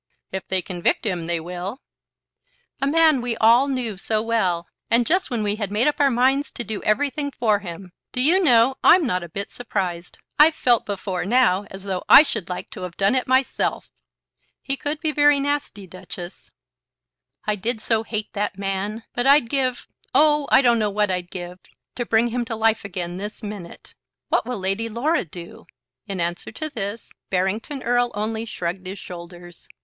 "If they convict him, they will." "A man we all knew so well! And just when we had made up our minds to do everything for him. Do you know I'm not a bit surprised. I've felt before now as though I should like to have done it myself." "He could be very nasty, Duchess!" "I did so hate that man. But I'd give, oh, I don't know what I'd give to bring him to life again this minute. What will Lady Laura do?" In answer to this, Barrington Erle only shrugged his shoulders.